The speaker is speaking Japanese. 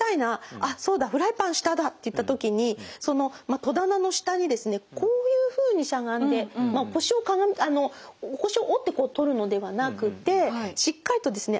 あそうだフライパン下だっていった時に戸棚の下にですねこういうふうにしゃがんで腰をかがめて腰を折ってこう取るのではなくてしっかりとですね